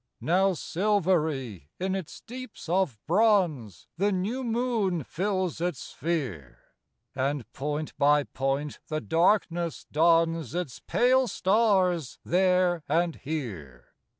Now silvery in its deeps of bronze The new moon fills its sphere; And point by point the darkness dons Its pale stars there and here.